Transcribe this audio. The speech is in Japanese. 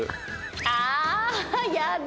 ああやだ。